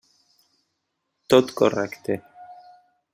Tot correcte.